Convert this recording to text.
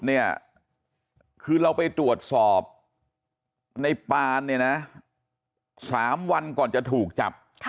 คือเราไปตรวจสอบในปานเนี่ยนะ๓วันก่อนจะถูกจับ